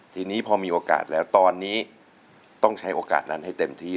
ทีนี้พอมีโอกาสแล้วตอนนี้ต้องใช้โอกาสนั้นให้เต็มที่